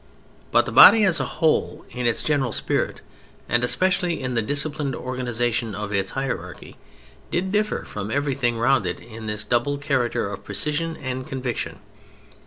But the body as a whole, in its general spirit, and especially in the disciplined organization of its hierarchy, did differ from everything round it in this double character of precision and conviction.